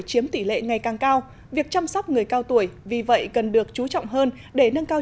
chiếm tỷ lệ ngày càng cao việc chăm sóc người cao tuổi vì vậy cần được chú trọng hơn để nâng cao